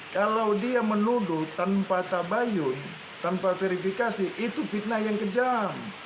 kalau dia menuduh tanpa tabayun tanpa verifikasi itu fitnah yang kejam